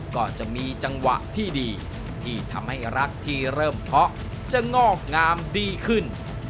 ก็จะมีจังหวะที่ดีที่ทำให้รักที่เริ่มเพาะจะงอกงามดีขึ้น